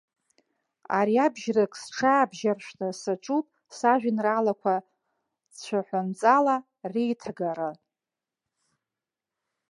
Ариабжьарак сҽаабжьаршәны саҿуп сажәеинраалақәа цәаҳәанҵала реиҭагара.